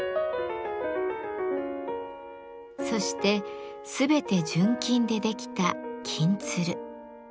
そして全て純金で出来た「金鶴」。